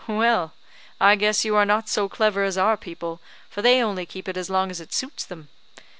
"Well, I guess you are not so clever as our people, for they only keep it as long as it suits them.